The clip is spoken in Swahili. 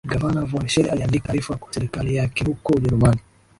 Gavana von Schele aliandika taarifa kwa serikali yake huko Ujerumani